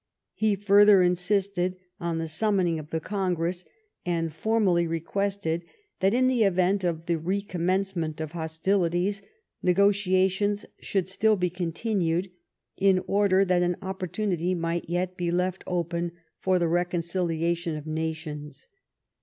He further insisted on the summoninop of the Congress, and formally requested that, in the event of the re commencement of hostilities, negotiations should still be continued, in order that an opportunity might yet be left open for the reconciliation of nations.